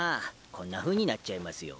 こんなふうになっちゃいますよ。